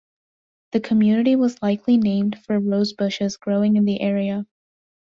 The community was likely named for rose bushes growing in the area.